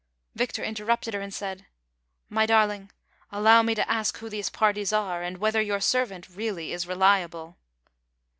Victor interrupted her, and said :" My darling, allow me to ask who these parties are, and whether your servant really is reliable